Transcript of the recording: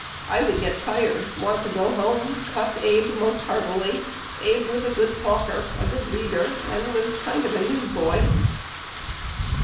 I would get tired, want to go home, cuss Abe most heartily. Abe was a good talker, a good reader, and was a kind of newsboy."